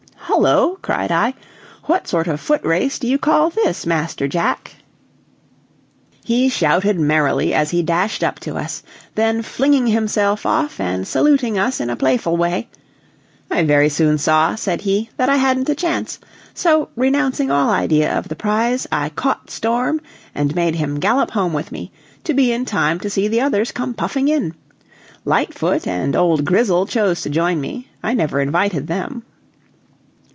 "Hullo!" cried I, "what sort of footrace do you call this, Master Jack?" He shouted merrily as he dashed up to us; then flinging himself off and saluting us in a playful way: "I very soon saw," said he, "that I hadn't a chance; so renouncing all idea of the prize, I caught Storm, and made him gallop home with me, to be in time to see the others come puffing in. Lightfoot and old Grizzle chose to join me I never invited them!"